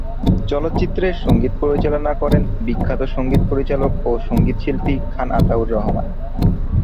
চলচ্চিত্রের সংগীত পরিচালনা করেন বিখ্যাত সংগীত পরিচালক ও সংগীতশিল্পী খান আতাউর রহমান।